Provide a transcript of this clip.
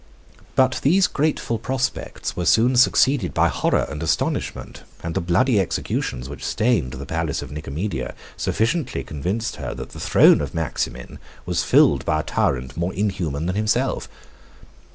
But these grateful prospects were soon succeeded by horror and astonishment; and the bloody executions which stained the palace of Nicomedia sufficiently convinced her that the throne of Maximin was filled by a tyrant more inhuman than himself.